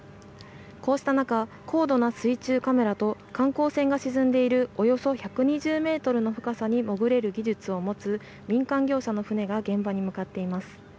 こうした中、高度な水中カメラと観光船が沈んでいるおよそ１２０ｍの深さに潜れる技術を持つ民間業者の船が現場に向かっています。